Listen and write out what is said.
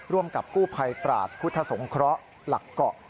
กับกู้ภัยตราดพุทธสงเคราะห์หลักเกาะ